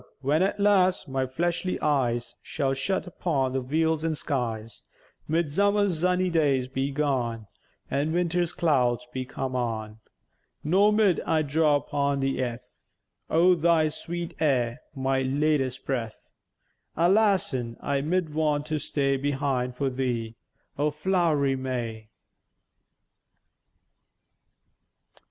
when, at last, my fleshly eyes Shall shut upon the vields an' skies, Mid zummer's zunny days be gone, An' winter's clouds be comèn on: Nor mid I draw upon the e'th, O' thy sweet aïr my leätest breath; Alassen I mid want to stäy Behine' for thee, O flow'ry May!